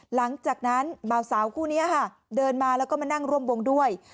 หลังจากนั้นเบาสาวคู่นี้เดินมาแล้วก็มานั่งร่วมวงด้วย